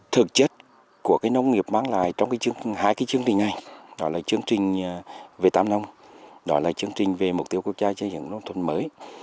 thực chất của cái nông nghiệp mang lại trong hai cái chương trình này đó là chương trình về tám nông đó là chương trình về mục tiêu quốc gia cho những nông thôn mới